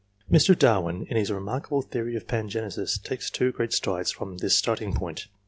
Mr. Darwin, in his remarkable theory of Pangenesis, takes two great strides from this starting point.